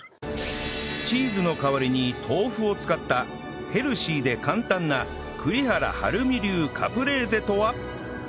チーズの代わりに豆腐を使ったヘルシーで簡単な栗原はるみ流カプレーゼとは？